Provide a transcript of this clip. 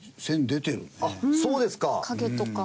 そうですか？